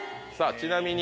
ちなみに。